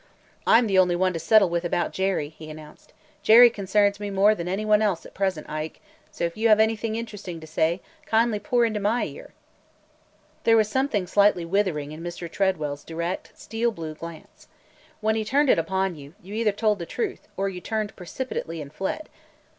"I 'm the only one to settle with about Jerry!" he announced. "Jerry concerns me more than any one else at present, Ike, so if you have anything interesting to say, kindly pour into my ear!" There was something slightly withering in Mr. Tredwell's direct, steel blue glance. When he turned it upon you, you either told the truth – or you turned precipitately and fled.